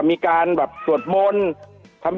คุณติเล่าเรื่องนี้ให้ฮะ